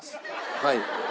はい。